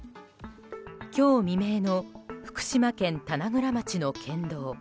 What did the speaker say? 今日未明の福島県棚倉町の県道。